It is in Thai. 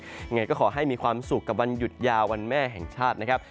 ยังไงก็ขอให้มีความสุขกับวันหยุดยาววันแม่แห่งชาตินะครับ